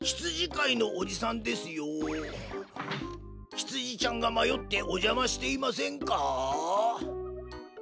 ひつじちゃんがまよっておじゃましていませんか？